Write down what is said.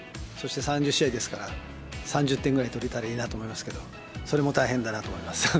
そして、３０試合ですから、３０点ぐらい取れたらいいなと思いますけど、それも大変だなと思います。